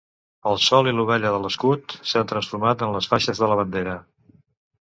El sol i l'ovella de l'escut s'ha transformat en les faixes de la bandera.